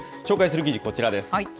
紹介する記事、こちらです。